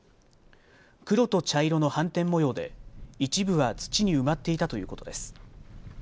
黒と茶色の斑点模様で一部は土に埋まっていたということです。